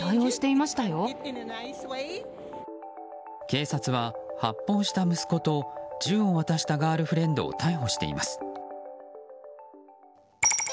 警察は発砲した息子と銃を渡したガールフレンドを逮捕しています。